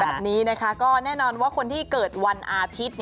แบบนี้นะคะก็แน่นอนว่าคนที่เกิดวันอาทิตย์